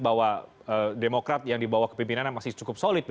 bahwa demokrat yang dibawa kepimpinannya masih cukup solid